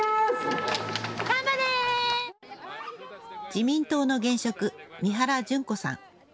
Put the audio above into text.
自民党の現職、三原じゅん子さん。